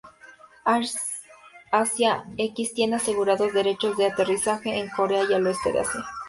AirAsia X tiene asegurados derechos de aterrizaje en Corea y el oeste de Asia.